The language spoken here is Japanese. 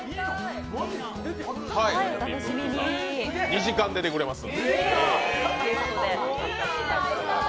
２時間出てくれます。